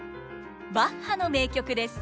バッハの名曲です。